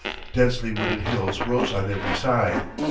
Densely wooded hills rose on every side.